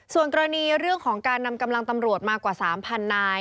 ส่วนกรณีเรื่องของการนำกำลังตำรวจมากว่า๓๐๐นาย